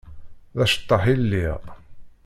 D aceṭṭaḥ i lliɣ.